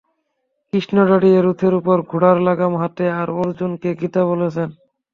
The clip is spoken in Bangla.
কৃষ্ণ দাঁড়িয়ে রথের উপর, ঘোড়ার লাগাম হাতে আর অর্জুনকে গীতা বলছেন।